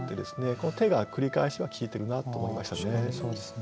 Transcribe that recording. この「手」が繰り返しが効いてるなと思いましたね。